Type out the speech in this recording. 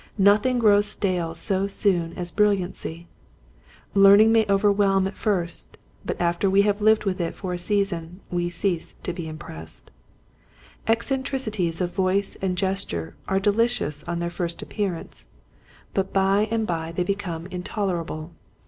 Nothing grows stale so soon as brilliancy. Learning may overwhelm at first but after we have lived with it for a season we cease to be impressed. Eccentricities of voice and gesture are delicious on their first appearance, but by The Foremost of the Demons. 47 aad by they become intolerable.